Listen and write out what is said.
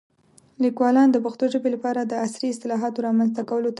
لیکوالان د پښتو ژبې لپاره د عصري اصطلاحاتو رامنځته کولو ته توجه نه کوي.